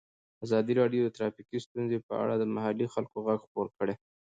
ازادي راډیو د ټرافیکي ستونزې په اړه د محلي خلکو غږ خپور کړی.